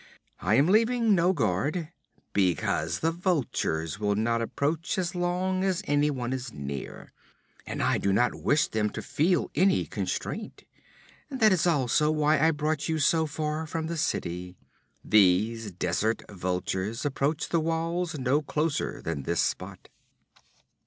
I am leaving no guard, because the vultures will not approach as long as anyone is near, and I do not wish them to feel any constraint. That is also why I brought you so far from the city. These desert vultures approach the walls no closer than this spot.